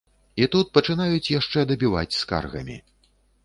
І тут пачынаюць яшчэ дабіваць скаргамі.